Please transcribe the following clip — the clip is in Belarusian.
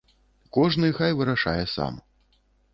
Кожны хай вырашае сам.